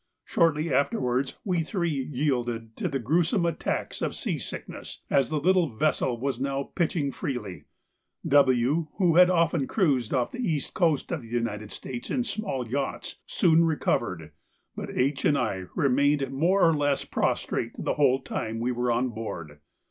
Shortly afterwards we three yielded to the gruesome attacks of seasickness, as the little vessel was now pitching freely; W., who had often cruised off the east coast of the United States in small yachts, soon recovered, but H. and I remained more or less prostrate the whole time we were on board.